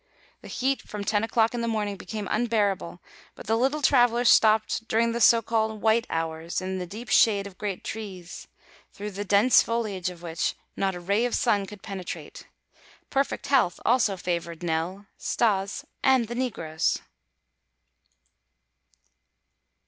The heat from ten o'clock in the morning became unbearable but the little travelers stopped during the so called "white hours" in the deep shade of great trees, through the dense foliage of which not a ray of the sun could penetrate. Perfect health also favored Nell, Stas, and the negroes.